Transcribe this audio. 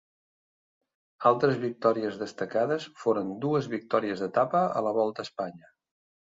Altres victòries destacades foren dues victòries d'etapa a la Volta a Espanya.